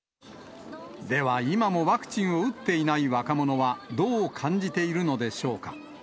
では今もワクチンを打っていない若者はどう感じているのでしょうか。